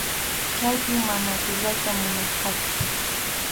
Chaypi mana tiyayta munasqachu.